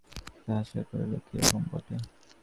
সুচরিতা হাসিয়া কহিল, কী রকমই বটে।